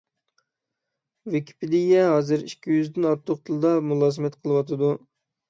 ۋىكىپېدىيە ھازىر ئىككى يۈزدىن ئارتۇق تىلدا مۇلازىمەت قىلىۋاتىدۇ.